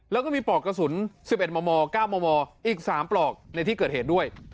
แล้วก็มีปลอกกระสุน๑๑มม๙มมอีก๓ปลอกในที่เกิดเหตุด้วย